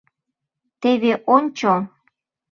— Теве ончо!